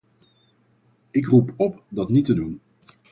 Ik roep op dat niet te doen.